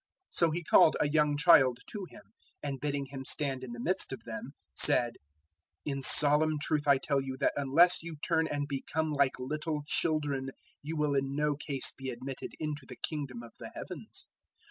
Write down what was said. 018:002 So He called a young child to Him, and, bidding him stand in the midst of them, 018:003 said, "In solemn truth I tell you that unless you turn and become like little children, you will in no case be admitted into the Kingdom of the Heavens.